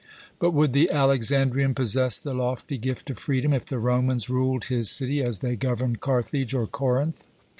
But would the Alexandrian possess the lofty gift of freedom, if the Romans ruled his city as they governed Carthage or Corinth?